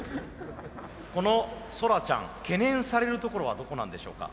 このソラちゃん懸念されるところはどこなんでしょうか？